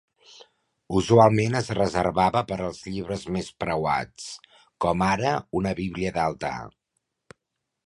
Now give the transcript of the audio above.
Usualment es reservava per als llibres més preuats, com ara una Bíblia d'altar.